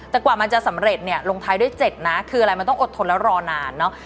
แต่กว่ามันจะสำเร็จเนี่ยลงท้ายด้วย๗นะคืออะไรมันต้องอดทนแล้วรอนานเนอะ